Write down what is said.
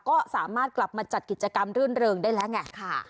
ก็สามารถกลับมาจัดกิจกรรมรื่นเริงได้แล้วไง